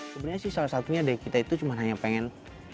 sebenarnya sih salah satunya dari kita itu cuma hanya pengen